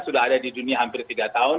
sudah ada di dunia hampir tiga tahun